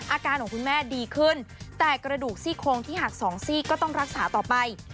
อาการของคุณแม่ดีขึ้นแต่กระดูกซี่โครงที่หักสองซี่ก็ต้องรักษาต่อไป